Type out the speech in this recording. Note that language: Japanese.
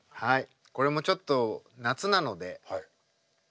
これもちょっと夏なので。